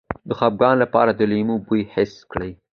د خپګان لپاره د لیمو بوی حس کړئ